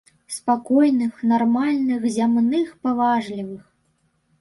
Спакойных, нармальных, зямных, паважлівых.